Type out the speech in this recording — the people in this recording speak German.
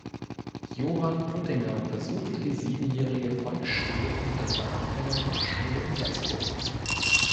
Johann Buttinger besuchte die siebenjährige Volksschule und danach eine Fachschule in Salzburg.